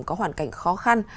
có hoàn cảnh khó khăn